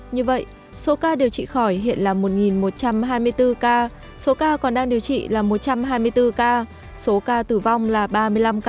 như vậy số ca điều trị khỏi hiện là một một trăm hai mươi bốn ca số ca còn đang điều trị là một trăm hai mươi bốn ca số ca tử vong là ba mươi năm ca